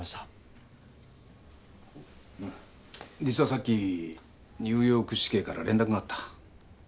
実はさっきニューヨーク市警から連絡があった。